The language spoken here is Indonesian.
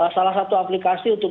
salah satu aplikasi untuk